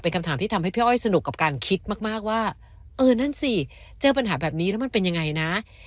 เป็นคำถามที่ทำให้พี่อ้อยสนุกกับการคิดมากว่าเออนั่นสิเจอปัญหาแบบนี้แล้วมันเป็นยังไงนะ